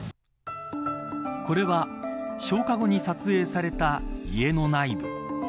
これは消火後に撮影された家の内部。